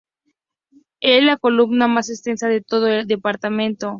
Es la comuna más extensa de todo el departamento.